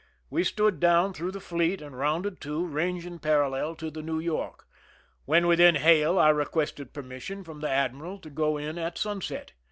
We stood down through the fleet and rounded to, ranging parallel to the New York When within hail, I re quested permission from the admiral to go in at sunset.